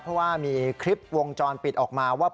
เพราะว่ามีคลิปวงจรปิดออกมาว่า